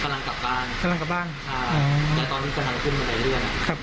กลับบ้านแล้วตอนนี้กำลังขึ้นบันไดเลื่อนค่ะ